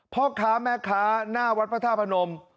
พ่อค้าแม่ค้าหน้าวัดพระธาตุพนม